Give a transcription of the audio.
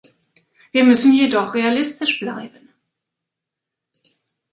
Wir müssen jedoch realistisch bleiben.